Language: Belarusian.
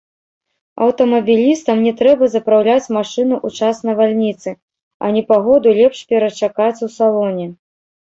Аўтамабілістам не трэба запраўляць машыну ў час навальніцы, а непагоду лепш перачакаць у салоне.